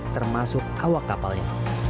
termasuk awak kapalnya